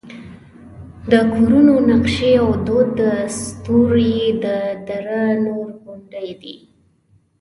د کورونو نقشې او دود دستور یې د دره نور غوندې دی.